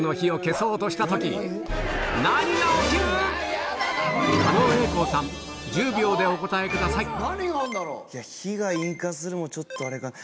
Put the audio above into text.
そして狩野英孝さん１０秒でお答えください火が引火するもちょっとあれか。